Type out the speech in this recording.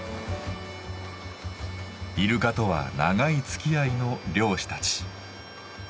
イルカとは長いつきあいの漁師たち。